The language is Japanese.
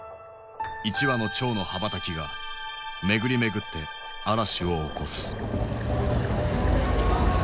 一羽の蝶の羽ばたきが巡り巡って嵐を起こす。